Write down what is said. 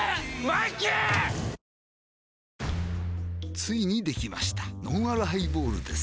ついにできましたのんあるハイボールです